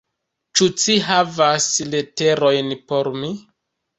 Ĉu ci havas leterojn por mi?